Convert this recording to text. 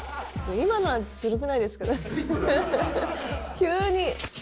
今のはずるくないですか？